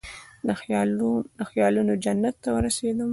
د خیالونوجنت ته ورسیدم